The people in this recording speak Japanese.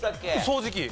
掃除機。